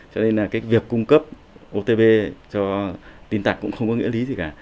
cho nên là cái việc cung cấp otp cho tin tặc cũng không có nghĩa lý gì cả